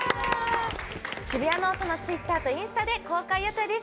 「シブヤノオト」のツイッターとインスタで公開予定です。